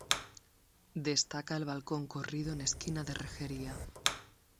Destaca el balcón corrido en esquina de rejería.